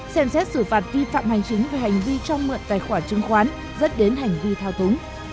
xem xét xử phạt vi phạm hành chính về hành vi cho mượn tài khoản chứng khoán dẫn đến hành vi thao túng